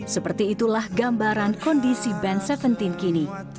seperti itulah gambaran kondisi band tujuh belas kini